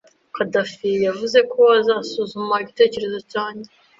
Khadafi yavuze ko azasuzuma igitekerezo cyanjye.